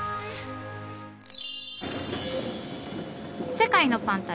世界のパン旅。